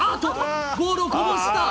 ボールをこぼした。